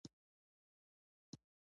ښایست د نیکمرغۍ اشاره ده